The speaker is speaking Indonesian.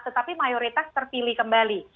tetapi mayoritas terpilih kembali